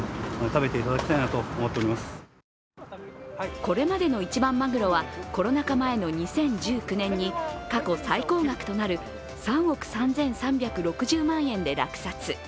これまでの一番まぐろはコロナ禍前の２０１９年に過去最高額となる３億３３６０万円で落札。